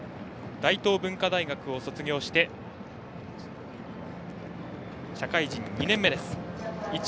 大東文化大学を卒業して社会人２年目です。